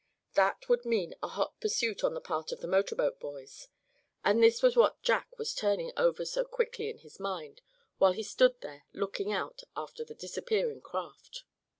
That would mean a hot pursuit on the part of the motor boat boys; and this was what Jack was turning over so quickly in his mind while he stood there looking out after the disappearing craft.